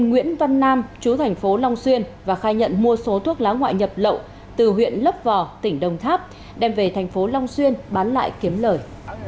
nguyễn văn nam chú thành phố long xuyên và khai nhận mua số thuốc lá ngoại nhập lậu từ huyện lấp vò tỉnh đồng tháp đem về thành phố long xuyên bán lại kiếm lời